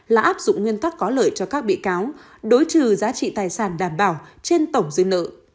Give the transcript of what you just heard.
là áp dụng nguyên tắc có lợi cho các bị cáo đối trừ giá trị tài sản đảm bảo trên tổng dư nợ